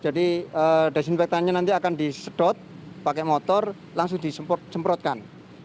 jadi desinfektannya nanti akan disedot pakai motor langsung disemprotkan